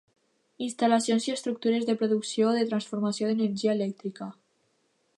Instal·lacions i estructures de producció o de transformació d'energia elèctrica.